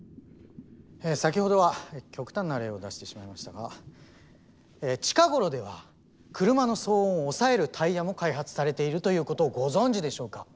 先ほどは極端な例を出してしまいましたが近頃では車の騒音を抑えるタイヤも開発されているということをご存じでしょうか？